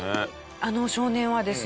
あの少年はですね